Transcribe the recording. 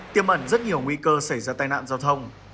tiêm ẩn rất nhiều nguy cơ xảy ra tai nạn